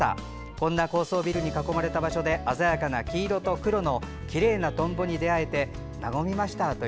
こんな高層ビルに囲まれた場所で鮮やかな黄色と黒のきれいなトンボに出会えて和みましたと。